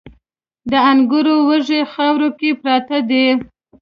د انګورو وږي خاورو کې پراته دي